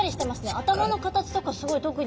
頭の形とかすごい特に。